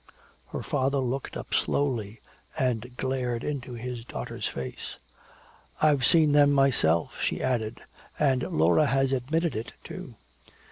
Her father looked up slowly and glared into his daughter's face. "I've seen them myself," she added. "And Laura has admitted it, too."